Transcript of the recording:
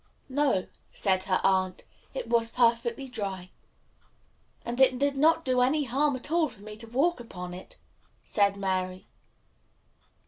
"No," said her aunt, "it was perfectly dry." "And it did not do any harm at all for me to walk upon it," said Mary.